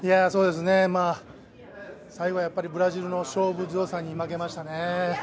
最後、やっぱりブラジルの勝負強さに負けましたね。